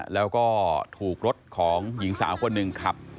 แล้วก็ที่ถูกรถครั้งหญิงสาวคนหนึ่ง